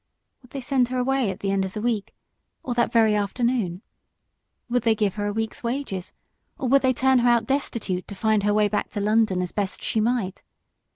Would they send her away at the end of the week, or that very afternoon? Would they give her a week's wages, or would they turn her out destitute to find her way back to London as best she might?